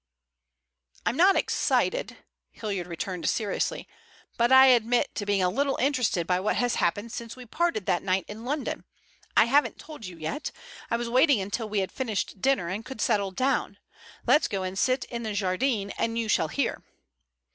"I'm not excited," Hilliard returned seriously, "but I admit being a little interested by what has happened since we parted that night in London. I haven't told you yet. I was waiting until we had finished dinner and could settle down. Let's go and sit in the Jardin and you shall hear."